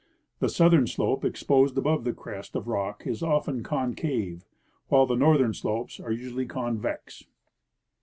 The southern slope exposed above the crest of rock is often con cave, while the northern slopes ai*e usually convex.